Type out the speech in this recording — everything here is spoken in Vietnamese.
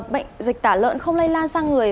bệnh dịch tả lợn không lây lan sang người